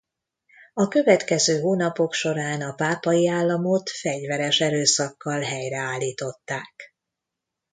A következő hónapok során a Pápai államot fegyveres erőszakkal helyreállították.